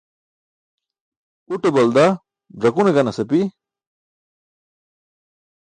Uṭe balda ẓakune ganas api.